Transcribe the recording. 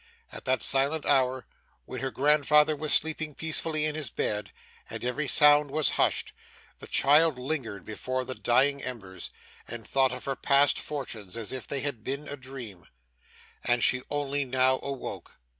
At that silent hour, when her grandfather was sleeping peacefully in his bed, and every sound was hushed, the child lingered before the dying embers, and thought of her past fortunes as if they had been a dream And she only now awoke.